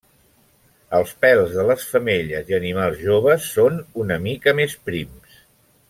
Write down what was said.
Els pèls de les femelles i animals joves són una mica més prims.